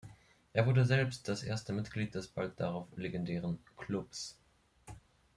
Er wurde selbst das erste Mitglied des bald darauf legendären ‚Clubs‘.